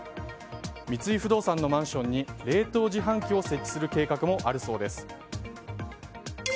三井不動産のマンションに冷凍自販機を設置する計画もあるそうです。